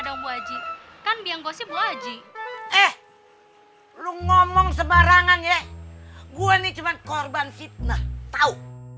dong wajib kan biang gosip wajib eh lu ngomong sebarangan ya gue nih cuma korban fitnah tahu